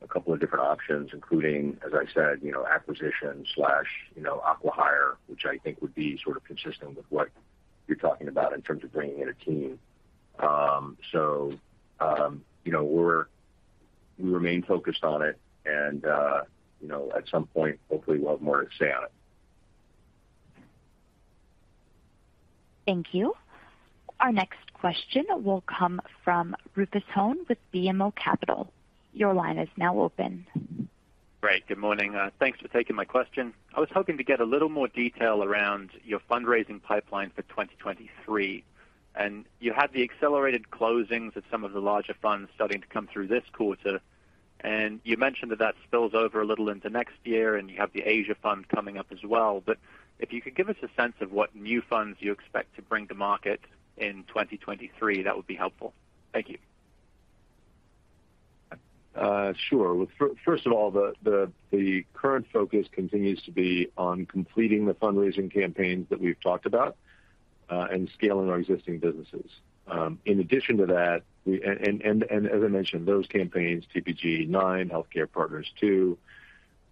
a couple of different options, including, as I said, you know, acquisition slash, you know, acqui-hire, which I think would be sort of consistent with what you're talking about in terms of bringing in a team. You know, we remain focused on it and, you know, at some point, hopefully, we'll have more to say on it. Thank you. Our next question will come from Rufus Hone with BMO Capital. Your line is now open. Great. Good morning. Thanks for taking my question. I was hoping to get a little more detail around your fundraising pipeline for 2023. You had the accelerated closings of some of the larger funds starting to come through this quarter. You mentioned that that spills over a little into next year, and you have the Asia fund coming up as well. If you could give us a sense of what new funds you expect to bring to market in 2023, that would be helpful. Thank you. Sure. Look, first of all, the current focus continues to be on completing the fundraising campaigns that we've talked about, and scaling our existing businesses. In addition to that, and as I mentioned, those campaigns, TPG IX, Healthcare Partners II,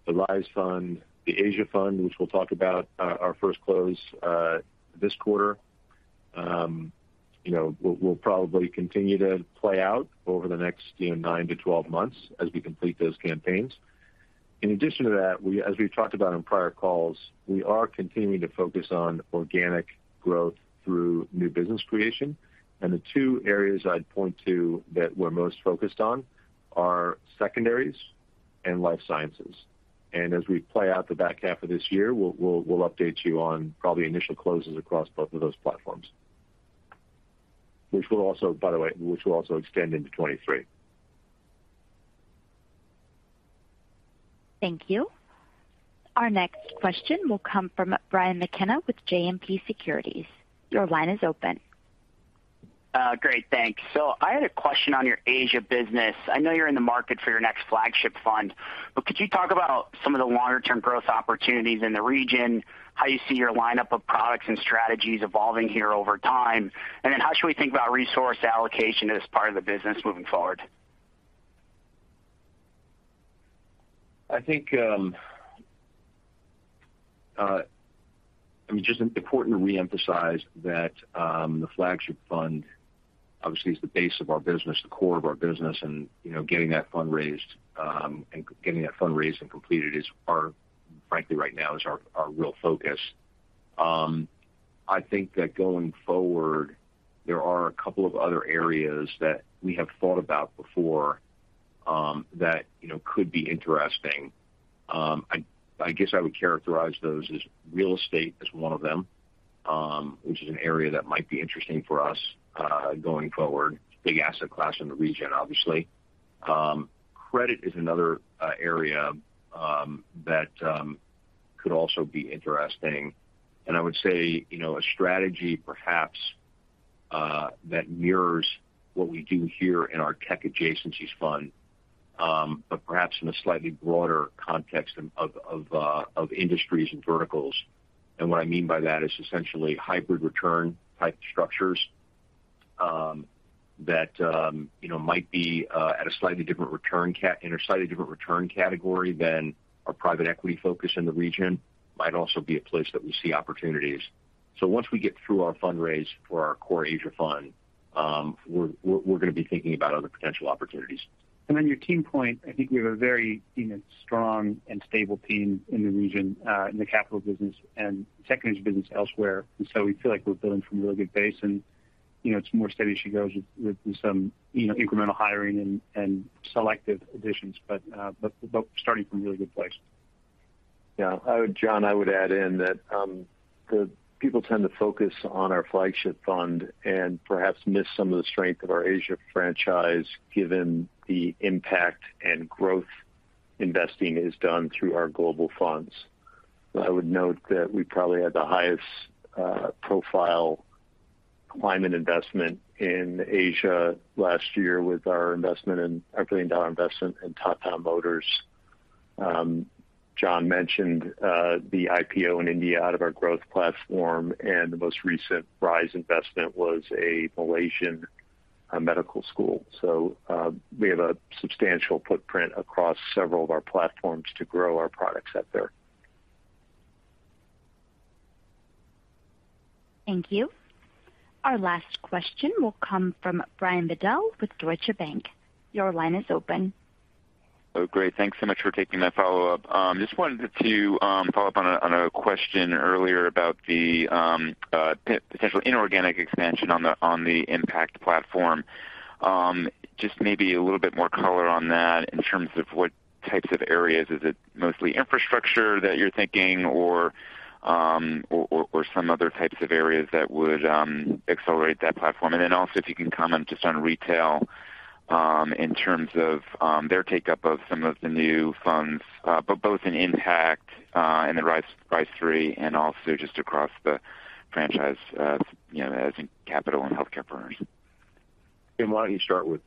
The Rise Fund, The Asia Fund, which we'll talk about, our first close this quarter, you know, will probably continue to play out over the next, you know, nine to 12 months as we complete those campaigns. In addition to that, as we've talked about on prior calls, we are continuing to focus on organic growth through new business creation. The two areas I'd point to that we're most focused on are secondaries and life sciences. As we play out the back half of this year, we'll update you on probably initial closes across both of those platforms. Which will also, by the way, extend into 2023. Thank you. Our next question will come from Brian McKenna with JMP Securities. Your line is open. Great. Thanks. I had a question on your Asia business. I know you're in the market for your next flagship fund, but could you talk about some of the longer-term growth opportunities in the region, how you see your lineup of products and strategies evolving here over time? How should we think about resource allocation as part of the business moving forward? I think, I mean, just important to reemphasize that, the flagship fund obviously is the base of our business, the core of our business. You know, getting that fundraised and completed is, frankly, right now, our real focus. I think that going forward, there are a couple of other areas that we have thought about before, that, you know, could be interesting. I guess I would characterize those as real estate as one of them, which is an area that might be interesting for us, going forward. Big asset class in the region, obviously. Credit is another area that could also be interesting. I would say, you know, a strategy perhaps that mirrors what we do here in our Tech Adjacencies Fund, but perhaps in a slightly broader context of industries and verticals. What I mean by that is essentially hybrid return type structures that you know might be at a slightly different return category than our private equity focus in the region might also be a place that we see opportunities. Once we get through our fundraise for our core Asia Fund, we're gonna be thinking about other potential opportunities. On your team point, I think we have a very, you know, strong and stable team in the region, in the Capital business and secondaries business elsewhere. We feel like we're building from a really good base. You know, it's more steady as she goes with some, you know, incremental hiring and selective additions. But starting from a really good place. Yeah. Jon, I would add in that the people tend to focus on our flagship fund and perhaps miss some of the strength of our Asia franchise, given the impact and growth investing is done through our global funds. I would note that we probably had the highest profile climate investment in Asia last year with our $1 billion investment in Tata Motors. Jon Winkelried mentioned the IPO in India out of our growth platform, and the most recent Rise investment was a Malaysian medical school. We have a substantial footprint across several of our platforms to grow our products out there. Thank you. Our last question will come from Brian Bedell with Deutsche Bank. Your line is open. Oh, great. Thanks so much for taking that follow-up. Just wanted to follow up on a question earlier about the potential inorganic expansion on the Impact platform. Just maybe a little bit more color on that in terms of what types of areas. Is it mostly infrastructure that you're thinking or some other types of areas that would accelerate that platform? Then also if you can comment just on retail in terms of their take-up of some of the new funds, but both in Impact and the Rise III and also just across the franchise, you know, as in Capital and Healthcare Partners. Jim, why don't you start with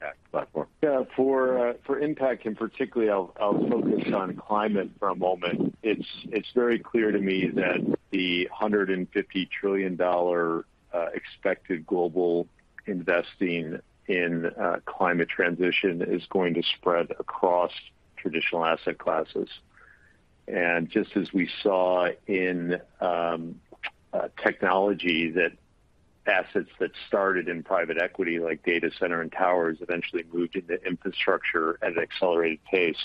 the Impact platform? Yeah. For Impact, and particularly I'll focus on climate for a moment. It's very clear to me that the $150 trillion expected global investing in climate transition is going to spread across traditional asset classes. Just as we saw in technology that assets that started in private equity, like data center and towers, eventually moved into infrastructure at an accelerated pace,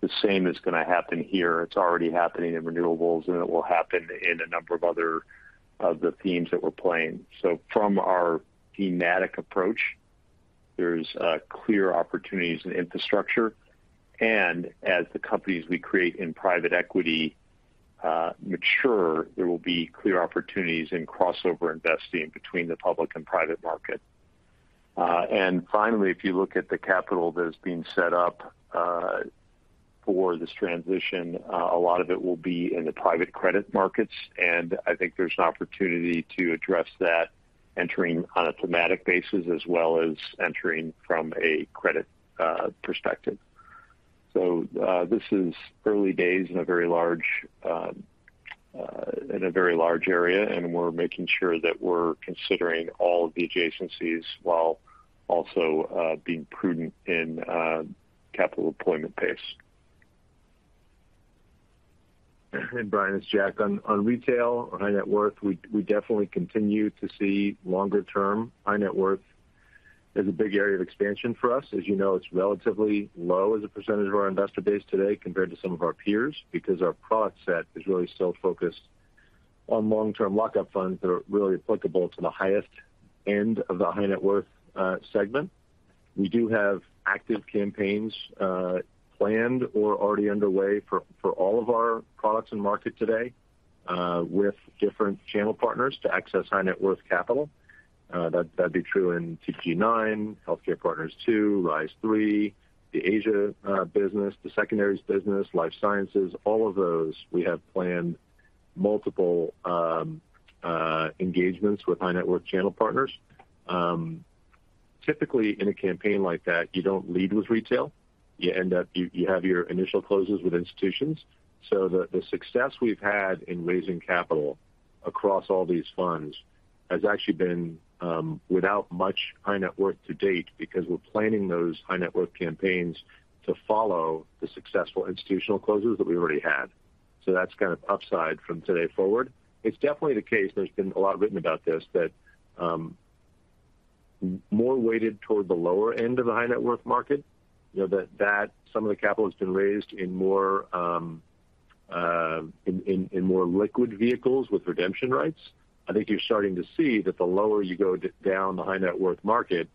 the same is gonna happen here. It's already happening in renewables, and it will happen in a number of other themes that we're playing. From our thematic approach, there's clear opportunities in infrastructure. As the companies we create in private equity mature, there will be clear opportunities in crossover investing between the public and private market. Finally, if you look at the Capital that is being set up, for this transition, a lot of it will be in the private credit markets, and I think there's an opportunity to address that entering on a thematic basis as well as entering from a credit perspective. This is early days in a very large area, and we're making sure that we're considering all of the adjacencies while also being prudent in Capital deployment pace. Brian, it's Jack. On retail or high net worth, we definitely continue to see longer-term high-net worth as a big area of expansion for us. As you know, it's relatively low as a percentage of our investor base today compared to some of our peers because our product set is really still focused on long-term lockup funds that are really applicable to the highest end of the high-net worth segment. We do have active campaigns planned or already underway for all of our products and market today with different channel partners to access high-net worth Capital. That'd be true in TPG IX, Healthcare Partners II, Rise III, the Asia business, the secondaries business, life sciences. All of those we have planned multiple engagements with high-net worth channel partners. Typically in a campaign like that, you don't lead with retail. You have your initial closes with institutions. The success we've had in raising Capital across all these funds has actually been without much high-net worth to-date because we're planning those high-net worth campaigns to follow the successful institutional closes that we already had. That's kind of upside from today forward. It's definitely the case, there's been a lot written about this, that more weighted toward the lower end of the high-net worth market. You know, that some of the capital has been raised in more liquid vehicles with redemption rights. I think you're starting to see that the lower you go down the high-net worth market,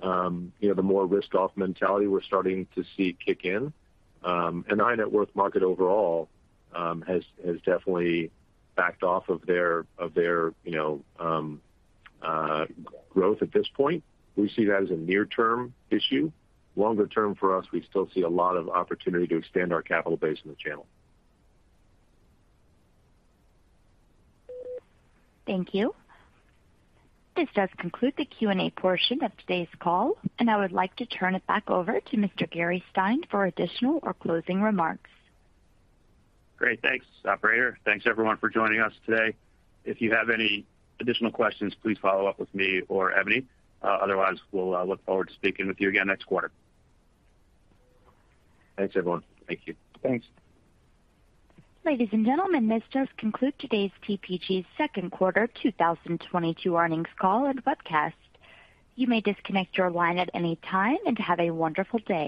the more risk off mentality we're starting to see kick in. High-net worth market overall has definitely backed off of their growth at this point. We see that as a near-term issue. Longer-term for us, we still see a lot of opportunity to expand our Capital base in the channel. Thank you. This does conclude the Q&A portion of today's call, and I would like to turn it back over to Mr. Gary Stein for additional or closing remarks. Great. Thanks, operator. Thanks everyone for joining us today. If you have any additional questions, please follow up with me or Ebony. Otherwise, we'll look forward to speaking with you again next quarter. Thanks, everyone. Thank you. Thanks. Ladies and gentlemen, this does conclude today's TPG's second quarter 2022 earnings call and webcast. You may disconnect your line at any time, and have a wonderful day.